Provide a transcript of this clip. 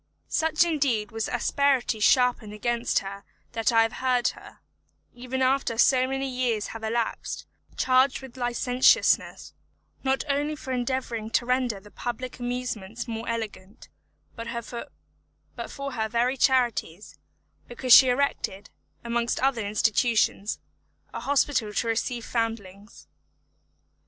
Such indeed was the asperity sharpened against her that I have heard her, even after so many years have elapsed, charged with licentiousness, not only for endeavouring to render the public amusements more elegant, but for her very charities, because she erected, amongst other institutions, a hospital to receive foundlings.